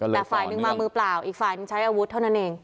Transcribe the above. แต่ฝ่ายหนึ่งมามือเปล่าอีกฝ่ายนึงใช้อาวุธเท่านั้นเอง